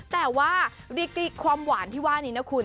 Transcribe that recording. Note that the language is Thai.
แต่ว่าความหวานที่ว่านี้นะคุณ